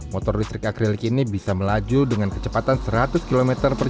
motor listrik akrilik ini bisa melaju dengan kecepatan seratus kmh